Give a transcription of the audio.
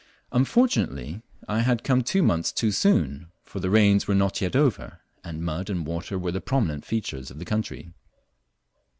Unfortunately I had come two months too soon, for the rains were not yet over, and mud and water were the prominent features of the country.